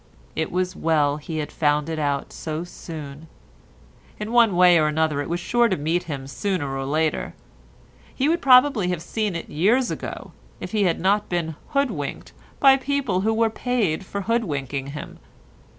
It was well he had found it out so soon. In one way or another it was sure to meet him sooner or later. He would probably have seen it years ago if he had not been hoodwinked by people who were paid for hoodwinking him.